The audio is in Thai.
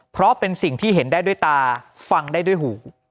เพราะเป็นสิ่งที่เห็นได้ด้วยตาฟังได้ด้วยหู